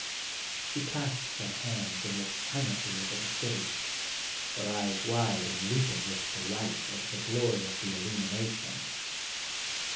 She clasps her hands and looks silently over the city, her eyes wide and leaping with de light over the glory of the illumination.